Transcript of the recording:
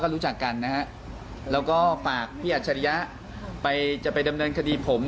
แล้วก็ฝากพี่อัชริยะจะไปดำเนินคดีผม